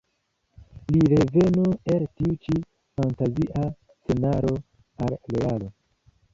Ni revenu el tiu ĉi fantazia scenaro al realo.